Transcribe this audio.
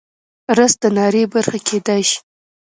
رس د ناري برخه کیدی شي